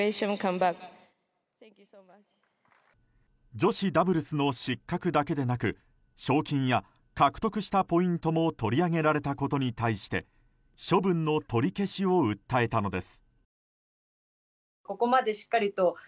女子ダブルスの失格だけでなく賞金や獲得したポイントも取り上げられたことに対して処分の取り消しを訴えたのです。